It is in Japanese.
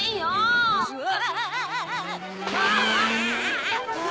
うわ！